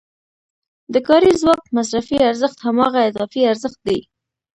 د کاري ځواک مصرفي ارزښت هماغه اضافي ارزښت دی